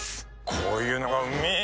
こういうのがうめぇ